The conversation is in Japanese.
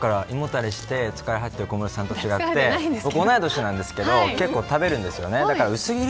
胃もたれして、疲れ果てている小室さんと違って同い年なんですけど結構食べるんですよね。